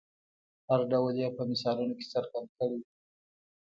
هر ډول یې په مثالونو کې څرګند کړئ.